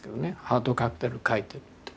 「『ハートカクテル』描いてる」って。